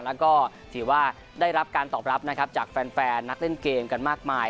แล้วก็ถือว่าได้รับการตอบรับนะครับจากแฟนนักเล่นเกมกันมากมาย